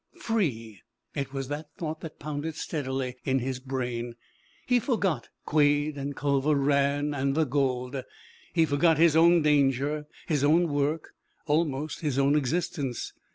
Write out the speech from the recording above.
Free! It was that thought that pounded steadily in his brain. He forgot Quade, and Culver Rann, and the gold; he forgot his own danger, his own work, almost his own existence.